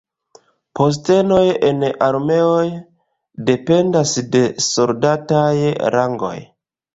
Postenoj en armeoj dependas de soldataj rangoj.